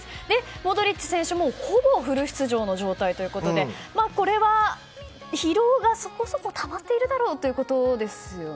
モドリッチ選手もほぼフル出場ということでこれは疲労がそこそこたまっているだろうということですよね。